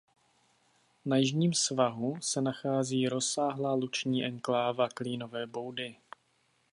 Na jižním svahu se nachází rozsáhlá luční enkláva Klínové Boudy.